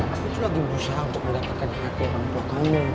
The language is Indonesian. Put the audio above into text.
aku lagi berusaha untuk mendapatkan hati orang tua kami